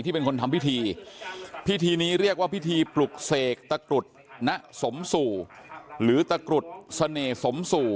เป็นคนทำพิธีพิธีนี้เรียกว่าพิธีปลุกเสกตะกรุดณสมสู่หรือตะกรุดเสน่หสมสู่